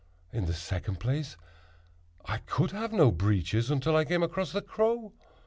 In the second place, I could have no breeches until I came across the crow.